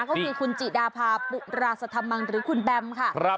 ก็คือคุณจิดาพาปุราสธรรมังหรือคุณแบมค่ะ